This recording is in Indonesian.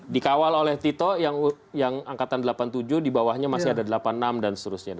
dikawal oleh tito yang angkatan delapan puluh tujuh di bawahnya masih ada delapan puluh enam dan seterusnya